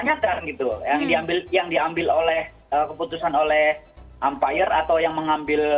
nah ini juga dipertanyakan gitu yang diambil oleh keputusan oleh umpire atau yang mengambil